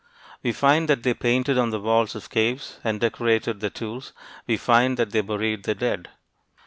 We find that they painted on the walls of caves, and decorated their tools; we find that they buried their dead.